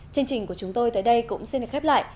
chương trình của chúng tôi tới đây cũng xin được khép lại